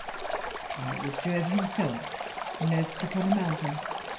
Why was Jove himself nursed upon a mountain